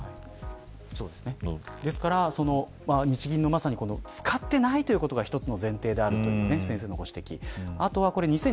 ですから日銀の使っていないということが一つの前提であるというのが先生のご指摘。